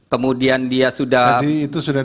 kemudian dia sudah tadi itu sudah